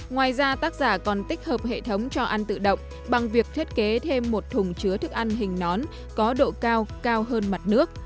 ngoài ra tác giả còn tích hợp hệ thống cho ăn tự động bằng việc thiết kế thêm một thùng chứa thức ăn hình nón có độ cao cao hơn mặt nước